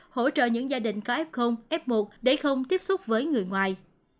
hỗ trợ những gia đình có f f một để không tiếp xúc với người ngoài